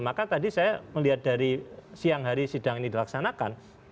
maka tadi saya melihat dari siang hari sidang ini dilaksanakan